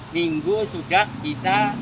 minggu sudah bisa